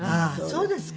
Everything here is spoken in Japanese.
そうですね。